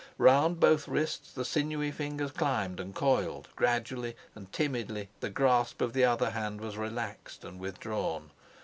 Round both wrists the sinewy fingers climbed and coiled; gradually and timidly the grasp of the other hand was relaxed and withdrawn.